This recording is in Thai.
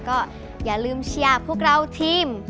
ก็อย่าลืมเชียร์พวกเราทีม